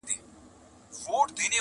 • دا کيسه پوښتنه پرېږدي تل تل..